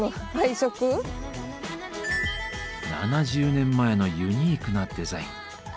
７０年前のユニークなデザイン。